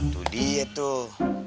tuh dia tuh